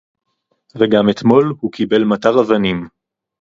וגם אתמול הוא קיבל מטר אבנים